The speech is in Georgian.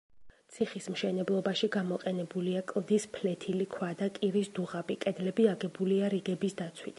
ციხის მშენებლობაში გამოყენებულია კლდის ფლეთილი ქვა და კირის დუღაბი, კედლები აგებულია რიგების დაცვით.